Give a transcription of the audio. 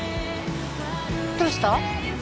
どうした？